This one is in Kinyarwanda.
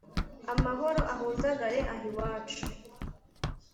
amahoro ahundagare aha iwacu,